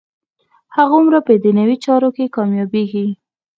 هماغومره په دنیوي چارو کې کامیابېږي.